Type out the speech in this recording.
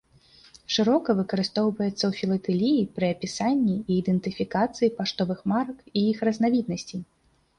Шырока выкарыстоўваецца ў філатэліі пры апісанні і ідэнтыфікацыі паштовых марак і іх разнавіднасцей.